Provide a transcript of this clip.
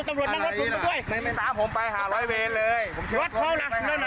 รถเขาละเงินไหนรถเขาละ